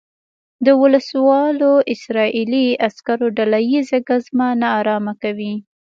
د وسلوالو اسرائیلي عسکرو ډله ییزه ګزمه نا ارامه کوي.